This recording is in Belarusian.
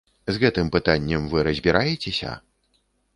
З гэтым пытаннем вы разбіраецеся?